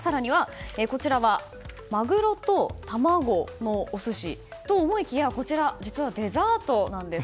マグロと卵のお寿司と思いきやこちら、実はデザートなんです。